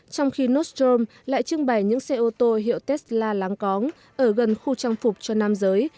trong khi nustrom lại trưng bày những xe ô tô hiệu tesla láng cóng ở gần khu trang phục cho nam giới